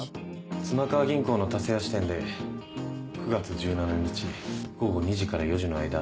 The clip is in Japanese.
妻川銀行の田勢谷支店で９月１７日午後２時から４時の間。